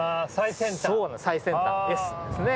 最先端Ｓですね。